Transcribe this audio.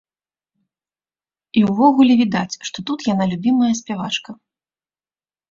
І ўвогуле відаць, што тут яна любімая спявачка.